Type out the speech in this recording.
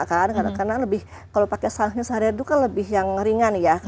karena kalau pakai sahnya sehari hari itu kan lebih yang ringan ya